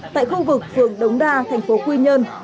tại khu vực phường đống đa thành phố quy nhơn